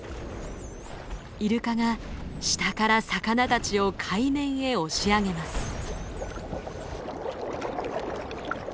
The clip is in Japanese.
イルカが下から魚たちを海面へ押し上げます。